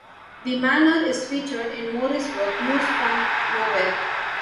The Manor is featured in Morris' work "News from Nowhere".